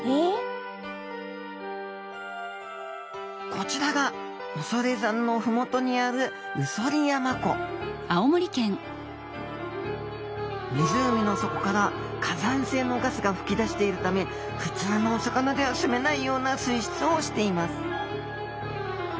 こちらが恐山のふもとにある宇曽利山湖湖の底から火山性のガスがふきだしているためふつうのお魚では住めないような水質をしています。